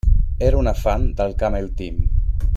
Era una fan del Camel Team.